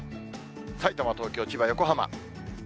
さいたま、東京、千葉、横浜。